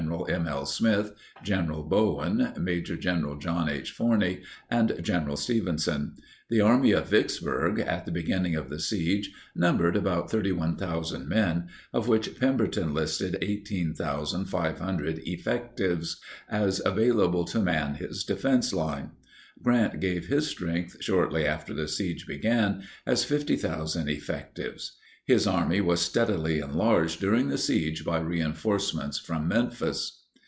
M. L. Smith, General Bowen, Maj. Gen. John H. Forney, and General Stevenson. The Army of Vicksburg, at the beginning of the siege, numbered about 31,000 men, of which Pemberton listed 18,500 effectives as available to man his defense line. Grant gave his strength, shortly after the siege began, as 50,000 effectives; his army was steadily enlarged during the siege by reinforcements from Memphis.